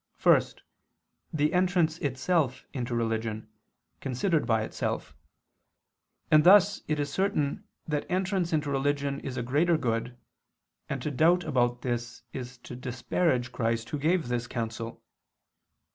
First, the entrance itself into religion, considered by itself; and thus it is certain that entrance into religion is a greater good, and to doubt about this is to disparage Christ Who gave this counsel.